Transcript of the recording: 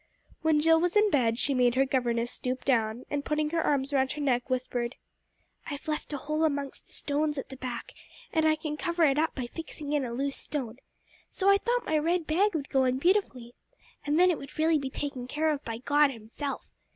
When Jill was in bed, she made her governess stoop down, and putting her arms round her neck, whispered "I've left a hole amongst the stones at the back, and I can cover it up by fixing in a loose stone. So I thought my red bag would go in beautifully, and then it would really be taken care of by God Himself.